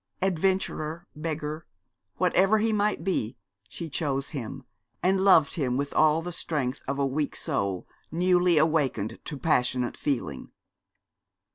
Adventurer, beggar, whatever he might be, she chose him, and loved him with all the strength of a weak soul newly awakened to passionate feeling.